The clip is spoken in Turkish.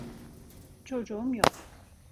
Çocuğum yok.